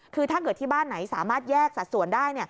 คือถ้าเกิดที่บ้านไหนสามารถแยกสัดส่วนได้